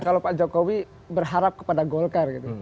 kalau pak jokowi berharap kepada golkar gitu